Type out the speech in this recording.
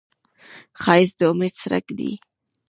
ښایست د امید څرک دی